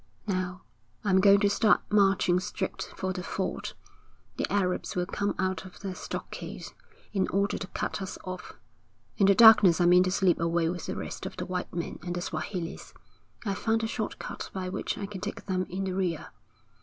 Now, I'm going to start marching straight for the ford. The Arabs will come out of their stockade in order to cut us off. In the darkness I mean to slip away with the rest of the white men and the Swahilis, I've found a short cut by which I can take them in the rear.